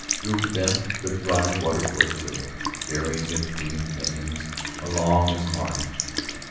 Through them the dry watercourse wriggled, carrying its green pennons along its marge.